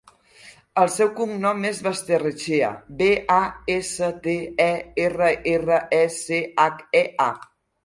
El seu cognom és Basterrechea: be, a, essa, te, e, erra, erra, e, ce, hac, e, a.